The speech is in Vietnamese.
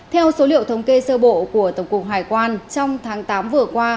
theo số liệu thống kê sơ bộ của tổng cục hải quan trong tháng tám vừa qua